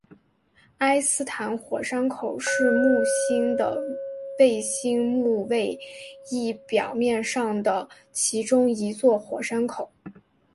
埃斯坦火山口是木星的卫星木卫一表面上的其中一座火山口。